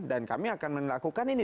dan kami akan melakukan ini